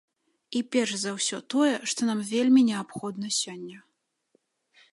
І перш за ўсё тое, што нам вельмі неабходна сёння.